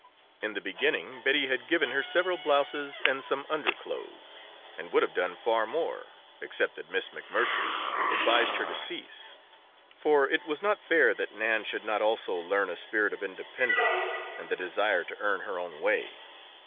In the beginning Betty had given her several blouses and some underclothes and would have done far more except that Miss McMurtry advised her to cease. For it was not fair that Nan should not also learn a spirit of independence and the desire to earn her own way.